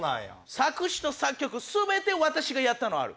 作詞と作曲全て私がやったのある。